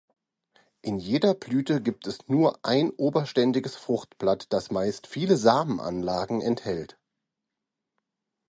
In jeder Blüte gibt es nur ein oberständiges Fruchtblatt, das meist vielen Samenanlagen enthält.